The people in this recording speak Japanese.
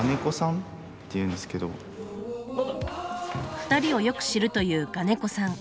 ２人をよく知るという我如古さん。